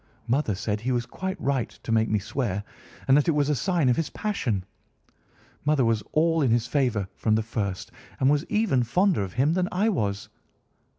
Mother said he was quite right to make me swear, and that it was a sign of his passion. Mother was all in his favour from the first and was even fonder of him than I was.